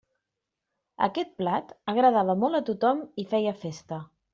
Aquest plat agradava molt a tothom i feia festa.